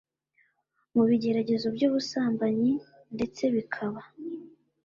mu bigeragezo by'ubusambanyi ndetse bikaba